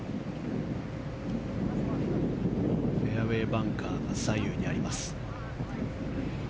フェアウェーバンカーが左右にあります。